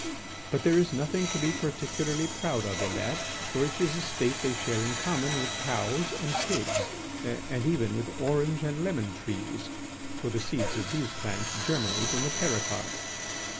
But there is nothing to be particularly proud of in that, for it is a state they share in common with cows and pigs, and even with orange and lemon trees, for the seeds of these plants germinate in the pericarp."